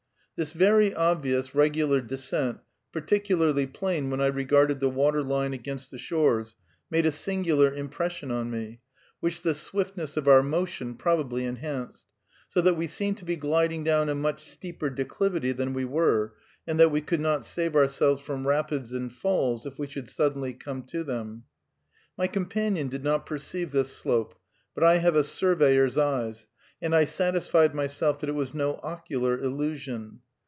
This very obvious regular descent, particularly plain when I regarded the water line against the shores, made a singular impression on me, which the swiftness of our motion probably enhanced, so that we seemed to be gliding down a much steeper declivity than we were, and that we could not save ourselves from rapids and falls if we should suddenly come to them. My companion did not perceive this slope, but I have a surveyor's eyes, and I satisfied myself that it was no ocular illusion.